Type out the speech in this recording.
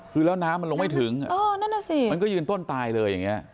คือแล้วน้ำมันลงไม่ถึงมันก็ยืนต้นตายเลยอย่างนี้